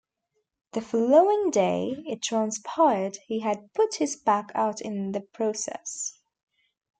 The following day it transpired he had put his back out in the process.